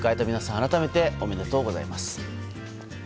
改めておめでとうございます。